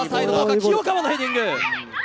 清川のヘディング。